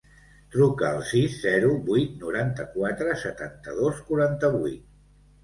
Truca al sis, zero, vuit, noranta-quatre, setanta-dos, quaranta-vuit.